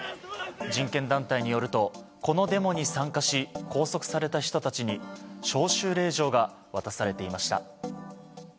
人権団体によるとこのデモに参加し拘束された人たちに招集令状が渡されていました。